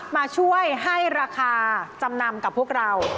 มาช่วยให้ราคาจำนำกับพวกเรา